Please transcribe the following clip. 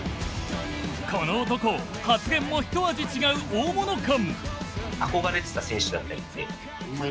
この男発言もひと味違う大物感！